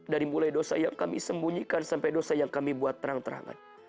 dari mulai dosa yang kami sembunyikan sampai dosa yang kami buat terang terangan